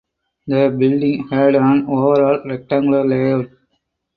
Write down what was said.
The building had an overall rectangular layout.